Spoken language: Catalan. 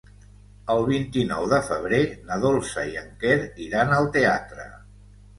El vint-i-nou de febrer na Dolça i en Quer iran al teatre.